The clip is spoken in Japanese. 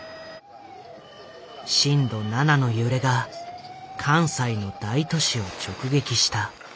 震度７の揺れが関西の大都市を直撃した。